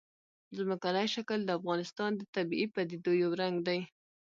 ځمکنی شکل د افغانستان د طبیعي پدیدو یو رنګ دی.